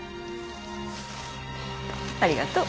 ありがとう。